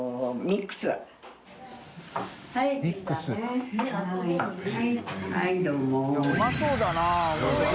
任うまそうだな。